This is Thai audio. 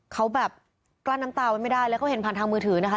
เขาแบบกลั้นน้ำตาไว้ไม่ได้แล้วเขาเห็นผ่านทางมือถือนะคะ